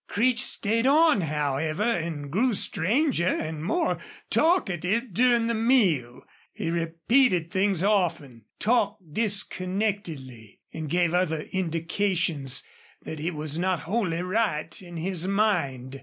Creech stayed on, however, and grew stranger and more talkative during the meal. He repeated things often talked disconnectedly, and gave other indications that he was not wholly right in his mind.